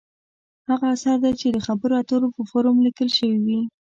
هغه اثر دی چې د خبرو اترو په فورم لیکل شوې وي.